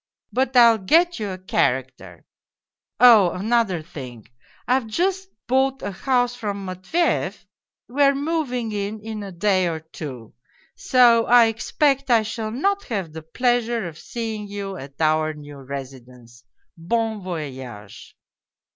But I'll get you a character Oh, another thing : I've just bought a house from Matveyev. We are moving in in a day or two. So I expect I shall not. have the pleasure of seeing you at our new residence. Bon voyage